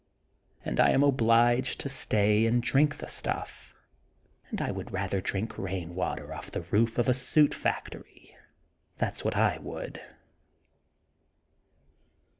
And I am obliged to stay and drink the stuff and I would rather drink rain water off the roof of a soot factory, that's what I would.